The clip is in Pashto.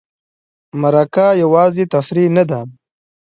مرکه یوازې تفریح نه ده.